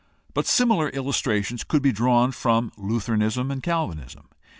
But similar illustrations could be drawn from Lutheranism and Calvinism.